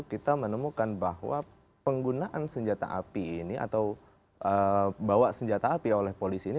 kita menemukan bahwa penggunaan senjata api ini atau bawa senjata api oleh polisi ini